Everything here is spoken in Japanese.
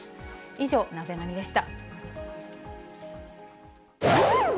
以上、ナゼナニっ？でした。